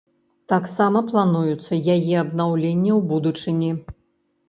Таксама плануецца яе абнаўленне ў будучыні.